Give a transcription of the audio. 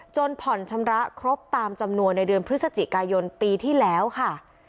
ผ่อนชำระครบตามจำนวนในเดือนพฤศจิกายนปีที่แล้วค่ะ